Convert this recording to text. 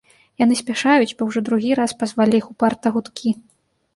Яны спяшаюць, бо ўжо другі раз пазвалі іх упарта гудкі.